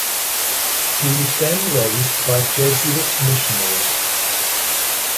He was then raised by Jesuit missionaries.